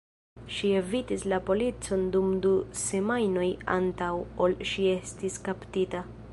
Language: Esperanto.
Ŝi evitis la policon dum du semajnoj antaŭ ol ŝi estis kaptita.